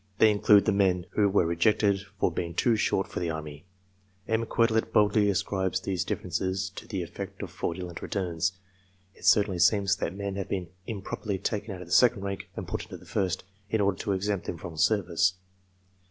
They include the men who were rejected from being too short for the army. M. Quetelet boldly ascribes these differ ences to the effect of fraudulent returns. It certainly seems that men have been improperly taken out of the second rank and put into the first, in order to exempt them from service.